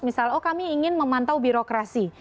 misal oh kami ingin memantau birokrasi